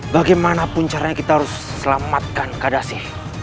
bagaimanapun caranya kita harus selamatkan kadasi